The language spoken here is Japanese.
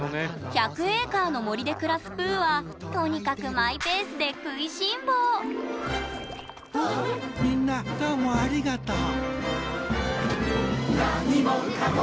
１００エーカーの森で暮らすプーはとにかくマイペースで食いしん坊みんなどうもありがとう。